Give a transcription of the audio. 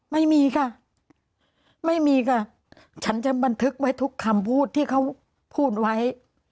ไม่มีค่ะไม่มีค่ะฉันจะบันทึกไว้ทุกคำพูดที่เขาพูดไว้